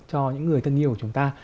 cho những người thân yêu của chúng ta